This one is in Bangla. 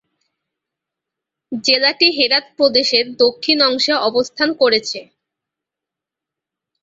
জেলাটি হেরাত প্রদেশের দক্ষিণ অংশে অবস্থান করছে।